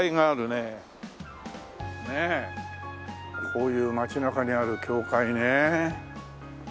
こういう街中にある教会ね。